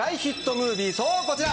ムービー、こちら。